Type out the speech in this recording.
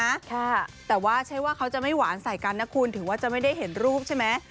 ค่ะแต่ว่าใช่ว่าเขาจะไม่หวานใส่กันนะคุณถึงว่าจะไม่ได้เห็นรูปใช่ไหม